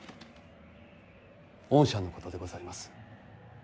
恩赦のことでございます。